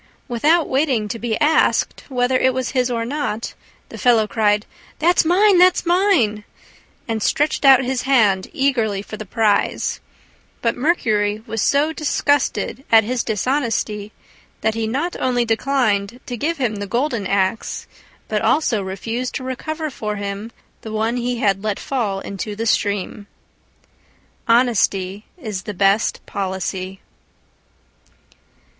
Without waiting to be asked whether it was his or not the fellow cried, "That's mine, that's mine," and stretched out his hand eagerly for the prize: but Mercury was so disgusted at his dishonesty that he not only declined to give him the golden axe, but also refused to recover for him the one he had let fall into the stream. Honesty is the best policy.